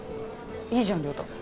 いいじゃん亮太。